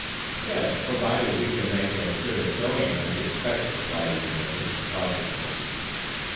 "Yes, provided we can make as good a showing as he expects," replied the inventor, cautiously.